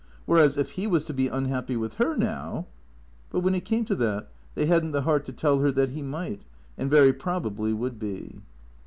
Whereas, if he was to be unhappy with her, now But, when it came to that, they had n't the heart to tell her that he might, and very probably would be.